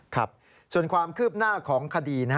ครับส่วนความคืบหน้าของคดี